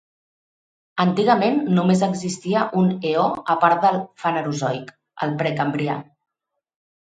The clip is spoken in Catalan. Antigament només existia un eó a part del Fanerozoic, el Precambrià.